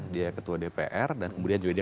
dia ketua dpr dan kemudian juga dia